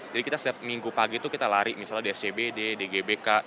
jadi kita setiap minggu pagi tuh kita lari misalnya di scbd di gbk